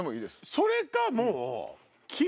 それかもう。